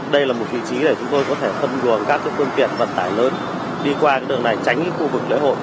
đây là một vị trí để chúng tôi có thể phân luồng các phương tiện vận tải lớn đi qua đường này tránh khu vực lễ hội